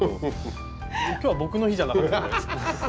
今日は僕の日じゃなかったです。